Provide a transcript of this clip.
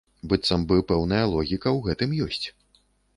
Быццам бы пэўная логіка ў гэтым ёсць.